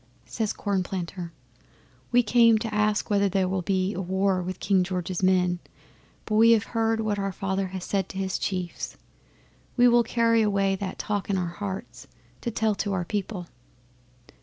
'Says Cornplanter, "We came to ask whether there will be war with King George's men, but we have heard what our Father has said to his chiefs. We will carry away that talk in our hearts to tell to our people."